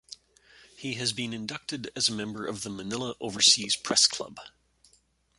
He has been inducted as a member of the Manila Overseas Press Club.